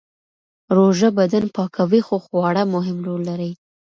روژه بدن پاکوي خو خواړه مهم رول لري.